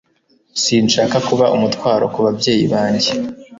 Sinshaka kuba umutwaro ku babyeyi banjye.